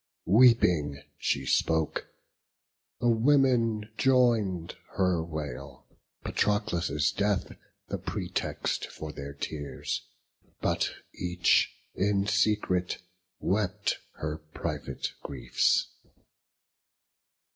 Weeping, she spoke; the women join'd her wail: Patroclus' death the pretext for their tears, But each in secret wept her private griefs.